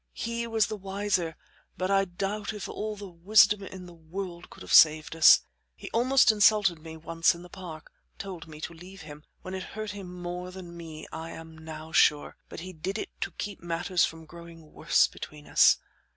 He was the wiser, but I doubt if all the wisdom in the world could have saved us. He almost insulted me once in the park told me to leave him when it hurt him more than me, I am now sure; but he did it to keep matters from growing worse between us.